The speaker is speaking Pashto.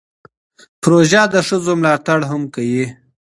پروژه د ښځو ملاتړ هم کوي.